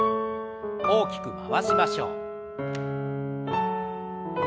大きく回しましょう。